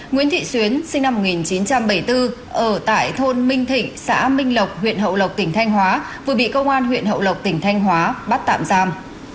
nguyễn thị xuyến sinh năm một nghìn chín trăm bảy mươi bốn ở tại thôn minh thịnh xã minh lộc huyện hậu lộc tỉnh thanh hóa vừa bị công an huyện hậu lộc tỉnh thanh hóa bắt tạm giam